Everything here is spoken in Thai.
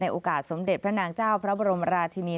ในสมเด็ดนะคะพระนางเจ้าพระบรมราชินี